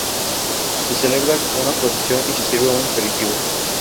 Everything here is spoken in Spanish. Se celebra una procesión y se sirve un aperitivo.